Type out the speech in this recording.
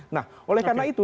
nah oleh karena itu